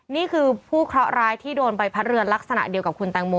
นี่คือผู้เคราะห์ร้ายที่โดนใบพัดเรือลักษณะเดียวกับคุณแตงโม